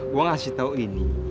gua ngasih tau ini